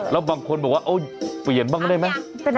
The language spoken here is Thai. แล้วบางคนบอกว่าเปลี่ยนบ้างได้ไหม